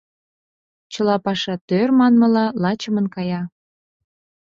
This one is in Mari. Чыла паша тӧр, манмыла, лачымын кая.